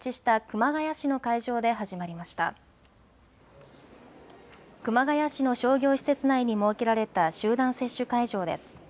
熊谷市の商業施設内に設けられた集団接種会場です。